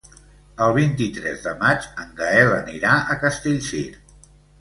El vint-i-tres de maig en Gaël anirà a Castellcir.